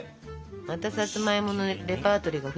またさつまいものレパートリーが増えたね。